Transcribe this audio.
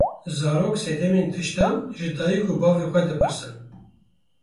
Zarok sedemên tiştan ji dayik û bavê xwe dipirsin.